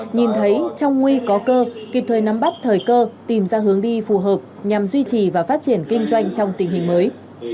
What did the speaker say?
nhìn thấy trong nguy có cơ kịp thời nắm bắt thời cơ tìm ra hướng đi phù hợp nhằm duy trì và phát triển kinh doanh trong tình hình mới